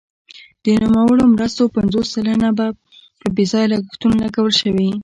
د نوموړو مرستو پنځوس سلنه په بې ځایه لګښتونو لګول شوي.